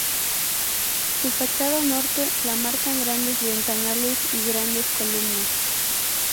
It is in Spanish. Su fachada norte las marcan grandes ventanales y grandes columnas.